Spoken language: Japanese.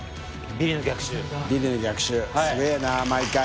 ビリの逆襲すげぇな毎回。